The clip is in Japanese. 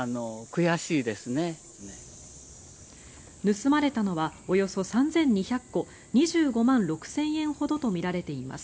盗まれたのはおよそ３２００個２５万６０００円ほどとみられています。